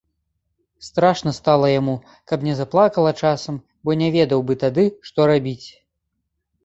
Страшна стала яму, каб не заплакала часам, бо не ведаў бы тады, што рабіць.